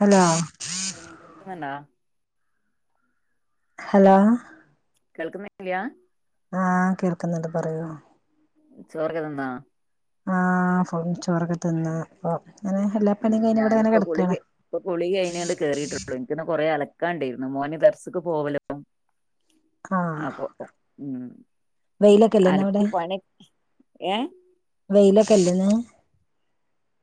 Hello hello hello കേൾക്കുന്നില്ല? ആഹ് കേൾക്ക്ന്ന്ണ്ട് പറയു. ചോറൊക്കെ തിന്നോ? ആ [unintelligible] ചോറൊക്കെ തിന്ന് അപ്പൊ ഇങ്ങനെ എല്ലാ പണിം ഉം കഴിഞ്ഞ് വടെങ്ങനെ ഞാനിപ്പോ കെടക്കാണ്. കുളികെ ഇപ്പൊ കുളി കഴിഞ്ഞ്ണ്ട് കേറിട്ടൊള്ളു ഇൻക്ക്ന്ന് കൊറെ അലക്കാണ്ടേര്ന്നു മോന് ദർസ്ക്ക് പോവലും. ആഹ് അപ്പൊ ഉം വെയിലൊക്കെല്ലേ ഇന്ന് അവിടെ അലക്കി പണി ഏഹ്? വെയിലൊക്കെല്ലന്ന്.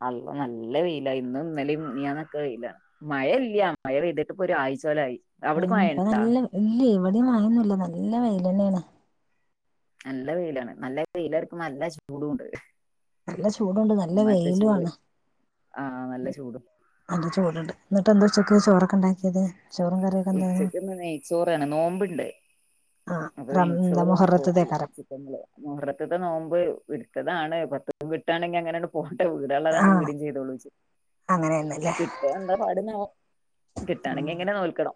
അള്ള നല്ല വെയില ഇന്നും ഇന്നലെ മിനിയാന്നൊക്കെ വെയിലാ. മഴ ല്ല്യ മഴ പെയ്ത്ട്ട്പ്പൊ ഒരാഴ്ചോലായി. ഉം അവിടക്ക് ഇപ്പ മഴയുണ്ടാ നല്ല ഇല്ലെയ് എവടിം മയൊന്നുല്ല നല്ല വെയിലെന്നെണ്. നല്ല വെയിലാണ് നല്ല വെയിലർക്കുമ്പൊ നല്ല ചൂടുണ്ട്. നല്ല ചൂടുണ്ട് നല്ല ഇമ്മാരിത്തെ വെയിലു ചൂട് ആണ്. ആ നല്ല ചൂട് നല്ല ചൂട്ണ്ട്. ന്നട്ട് എന്താ ഉച്ചക്ക്ചോറൊക്കെ ണ്ടാക്ക്യത്? ചോറും കറിം ഉച്ചക്ക്ന്ന് നെയ്ച്ചോറാണ് നോമ്പ്ണ്ട്. ആഹ് റം ന്ത മുഹറത്ത്ത്തെക്കാരം. [unintelligible] മുഹറത്ത്ത്തെ നോമ്പ് ഇട്താതാണ് പത്ത് [unintelligible] ട്ടാണെങ്കി അങ്ങനെണ്ട് പോട്ട വീടാള്ളതാണ്ട് വീടിം ചെയ്തോളൂ ച്ച് അങ്ങനെണ്ല്ലേ. കിട്ടോ എന്താ പാട്ന്നേ ഉം കിട്ടാണെങ്കി ങ്ങനെ നോൽക്കണം.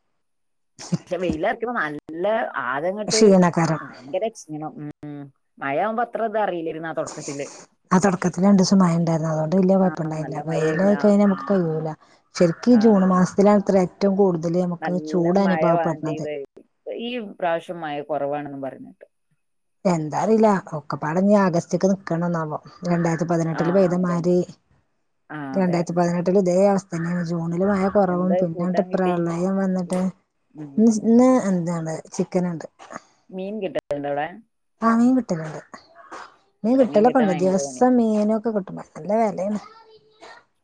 പക്ഷെ വെയിലർക്കുമ്പോ നല്ല ആകെങ്ങട്ട് ക്ഷീണക്കാരം ഭയങ്കര ക്ഷീണം. ഉം ഉം മഴ വുംമ്പോ അത്രെ താറീലേനിന്നാ തൊട്ക്കത്തില് ആഹ് തൊടക്കത്തില് രണ്ടിസം മയ ണ്ടായിരുന്നു. അതോണ്ട് വെല്ല്യെ കൊഴപ്പണ്ടായില്ല. നല്ല മഴയായിരുന്നു വെയിലായി ആ കഴിഞ്ഞ അമക്ക് കയ്യൂല. ശെരിക്ക് ആ ജൂൺ മാസത്തിലാണത്രെ ഏറ്റവും കൂടുതല് അമ്മക്ക് നല്ല ചൂട് മഴ അനുഭവപ്പെട്ണത്. വാണ്ടിയത് ഈ പ്രാവശ്യം മയ കൊറവാണെന്നും പറിണേട്ട്. എന്താറീല്ല ഒക്കപ്പാടഞ്ഞ് ആഗസ്റ്റ്ക്ക് ന്ക്കണന്നാവോ രണ്ടായി രത്തി ആ പതിനെട്ട്ല് അതന്നെ പെയ്തമാരി ആ അതെ രണ്ടായിരത്തിപതിനെട്ടില് ഇതേ അവസ്ഥനേണ് ജൂണ്ല് മയ കൊറവും എന്താ പിന്നങ്ങട്ട് കൂട്ടാൻ കിട്ടി പ്രളയം വന്ന്ട്ട്. [unintelligible] ഉം ഇന്ന് എന്താണ് ചിക്കന്ണ്ട് മീൻ കിട്ടല്ണ്ടവിടെ ആഹ് മീൻ കിട്ടല്ണ്ട്. മീൻ ഇവിടെ കിട്ടാൻ കിട്ടലൊക്കണ്ട്, ഭയങ്കര പണിയാ ദിവസം മീനൊക്കെ കിട്ടും, പ നല്ല വെലേണ്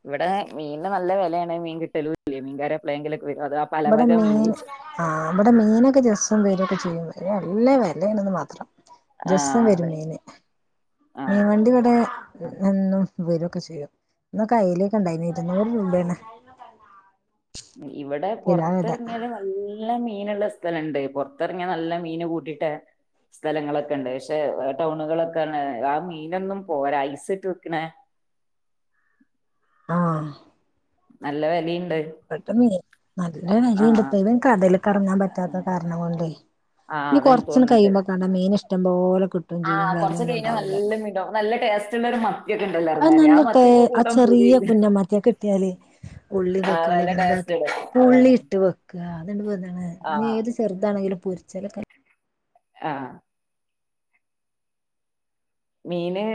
ഇവിടെ മീൻന് നല്ല വെലേണ്. മീൻ കിട്ടലൂല്ല. മീൻകാരെ എപ്പളേങ്കിലൊക്കെ വരും. അത് അപ് ബടെ മീന് ആഹ് ബടെ മീനൊക്കെ ദിവസം വെരൊക്കെ ചെയ്യും. അയ്‌ന് നല്ലെ വെലേണ്ന്ന് മാത്രം ദിവസം ആഹ് വരും അതെ മീന്. ആഹ് മീൻവണ്ടിവടെ എന്നും വരു ഒക്കെ ചെയ്യും ഇന്നൊക്കയ്ക്കല്യൊക്കെണ്ടായിനി ഇരുന്നൂറ് രൂപേണ് കിലോ വില ഇവടെപൊർത്തെർങ്യാല് ന നല്ല മീന്ള്ള സ്ഥലണ്ട്. പൊർത്തെർങ്ങിയ നല്ല മീന് കൂട്ടിട്ടെ സ്ഥലങ്ങളൊക്കെണ്ട്. പക്ഷെ ടൗണുകളൊക്കാണ്, ആ മീനൊന്നും പോര, ഐസ്ട്ട് വ്ക്ക്ണെ ആഹ് നല്ല വെലീണ്ട് ബട്ത്തെ മീ, നല്ല വേലീണ്ട്പ്പയ്ന്. കടല്ക്കർങ്ങാൻ പറ്റാത്ത കാരണം കൊണ്ടേയ് ആഹ് അതാണ് തോ കയ്യുമ്പൊകാണ മീന്ഷ്ടം പോലെ കിട്ട് ആഹ് കൊർച്ച് കയ്ഞ്ഞാ നല്ല മീൻണ്ടാവും, നല്ല ടേസ്റ്റ്ള്ളൊരു മത് അത് നല്ല ടേ ആചെറിയ പൂതിയായിക്ക്ണ് കുഞ്ഞമ്മത്തി, അഹ് കിട്ട്യാലേയ് ഉള്ളിം ആഹ് തക്കാളിം നല്ല ടേസ്റ്റ് ക്കെ ഉണ്ട് ഉള്ളി അതാണ് ഇട്ട് വെക്ക. അത്ണ്ട് എന്താണ് ആഹ് ഞ്യേത് ചെർതാണെങ്കിലും പൊര്ച്ചലക്കെ ആഹ് മീന്